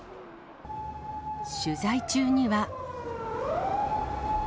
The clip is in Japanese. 取材中には。